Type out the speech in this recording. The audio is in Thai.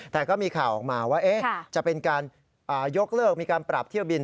แต่ก็มีข่าวออกมาว่าจะเป็นการยกเลิกมีการปรับเที่ยวบิน